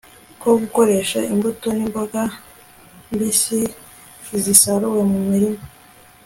ko gukoresha imbuto nimboga mbisi zisaruwe mu murima